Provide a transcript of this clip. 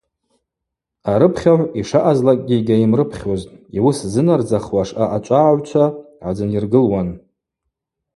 Арыпхьагӏв йшаъазлакӏгьи йгьайымрыпхьузтӏ, йуыс ззынардзахуаш аъачӏвагӏагӏвчва гӏадзынйыргылуан.